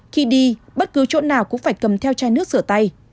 khi đi bất cứ chỗ nào cũng phải cầm theo chai nước rửa tay